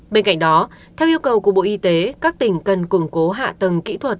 bên cạnh đó theo yêu cầu của bộ y tế các tỉnh cần củng cố hạ tầng kỹ thuật